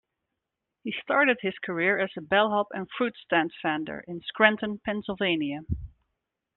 He started his career as a bellhop and fruit stand vendor in Scranton, Pennsylvania.